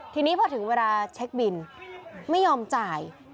ทีนี้พอถึงเวลาเช็คบินไม่ยอมจ่าย